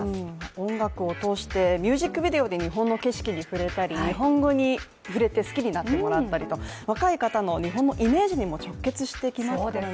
音楽を通してミュージックビデオで日本の景色に触れたり、日本語に触れて好きになってもらったりと、若い方の日本のイメージにも直結していきますよね。